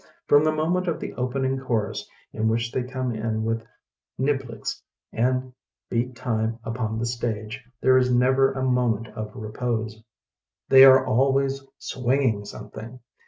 From the moment of the opening chorus in which they come in with niblicks and beat time upon the stage, there is never a moment of repose. HAMMOCK READING 419 They are always swinging something.